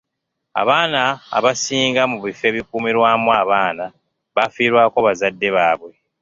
Abaana abasinga mu bifo ebikuumirwamu abaana baafiirwako bazadde bwabwe.